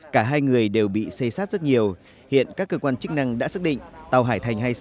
cả hai người đều bị xây sát rất nhiều hiện các cơ quan chức năng đã xác định tàu hải thành hai mươi sáu